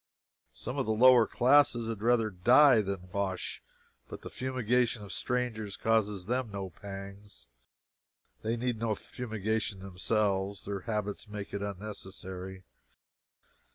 Some of the lower classes had rather die than wash, but the fumigation of strangers causes them no pangs. They need no fumigation themselves. Their habits make it unnecessary.